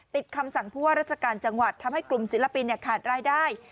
คำสั่งผู้ว่าราชการจังหวัดทำให้กลุ่มศิลปินขาดรายได้